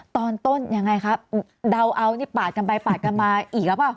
ตอนต้นยังไงครับเดาเอานี่ปาดกันไปปาดกันมาอีกหรือเปล่า